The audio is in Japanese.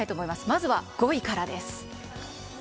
まずは５位からです。